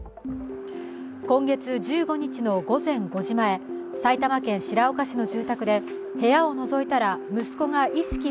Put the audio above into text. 今月１５日の午前５時前、埼玉県白岡市の住宅で部屋をのぞいたら息子が意識